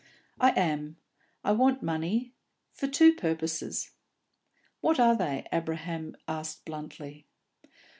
"I am. I want money for two purposes." "What are they?" Abraham asked bluntly.